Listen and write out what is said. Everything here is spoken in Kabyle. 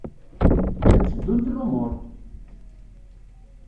La tteddunt lumuṛ?